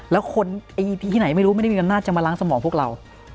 แล้วคนที่ไม่รู้ไม่ได้อำนาจจะแล้วพวกเรา